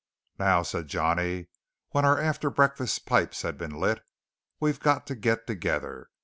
"Now," said Johnny, when our after breakfast pipes had been lit, "we've got to get together.